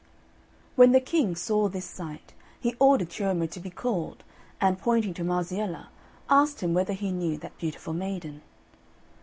When the King saw this sight, he ordered Ciommo to be called, and, pointing to Marziella, asked him whether he knew that beautiful maiden.